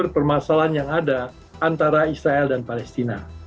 permasalahan yang ada antara israel dan palestina